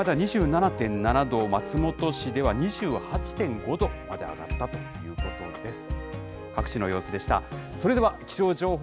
この高山では２７．７度、松本市では２８．５度まで上がったということです。